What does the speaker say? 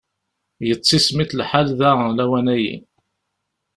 Yettismiḍ lḥal da lawan-a.